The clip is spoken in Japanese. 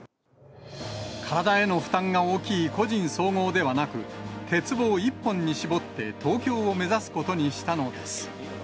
体への負担が大きい個人総合ではなく、鉄棒一本に絞って東京を目指すことにしたのです。